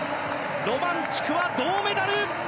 ロマンチュクは銅メダル。